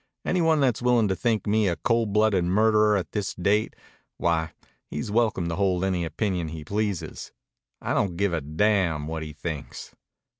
Any one that's willin' to think me a cold blooded murderer at this date, why, he's welcome to hold any opinion he pleases. I don't give a damn what he thinks."